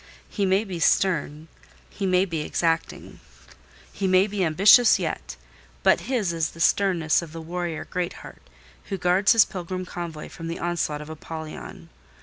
He may be stern; he may be exacting; he may be ambitious yet; but his is the sternness of the warrior Greatheart, who guards his pilgrim convoy from the onslaught of Apollyon.